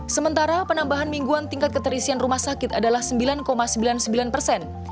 sementara penambahan mingguan tingkat keterisian rumah sakit adalah sembilan sembilan puluh sembilan persen